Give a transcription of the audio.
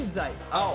青。